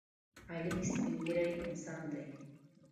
علي سپینزړی انسان دی.